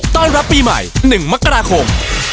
ต้อนรับปีใหม่๑มกราคม